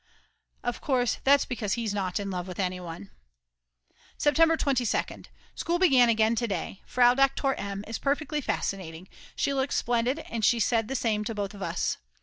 Of course that's because he's not in love with anyone. September 22nd. School began again to day. Frau Doktor M. is perfectly fascinating, she looks splendid and she said the same to both of us.